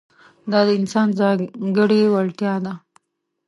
دا د انسان ځانګړې وړتیا ده.